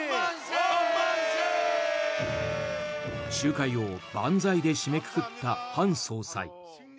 集会を万歳で締めくくったハン総裁。